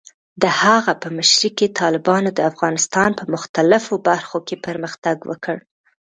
د هغه په مشرۍ کې، طالبانو د افغانستان په مختلفو برخو کې پرمختګ وکړ.